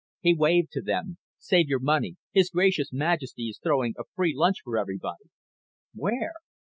He waved to them. "Save your money. His Gracious Majesty is throwing a free lunch for everybody." "Where?"